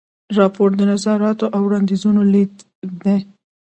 راپور د نظریاتو او وړاندیزونو لیږد دی.